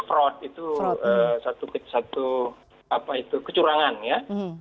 fraud itu satu kecurangan ya